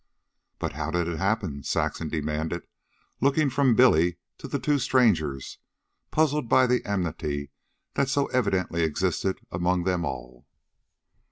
"But how did it happen?" Saxon demanded, looking from Billy to the two strangers, puzzled by the amity that so evidently existed among them all.